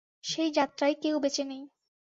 সেই যাত্রায় কেউ বেঁচে নেই।